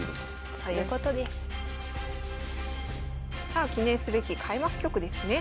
さあ記念すべき開幕局ですね。